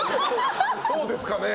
そうですかね？